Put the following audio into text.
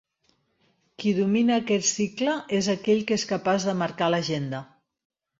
Qui domina aquest cicle és aquell que és capaç de marcar l’agenda.